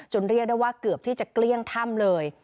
เรียกได้ว่าเกือบที่จะเกลี้ยงถ้ำเลย